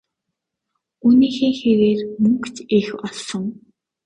Үүнийхээ хэрээр мөнгө ч их олсон.